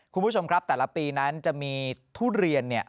คุณผู้ชมครับแต่ละปีนั้นจะมีทุเรียนเนี่ย